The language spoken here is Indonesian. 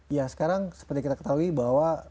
ya sekarang seperti kita ketahui bahwa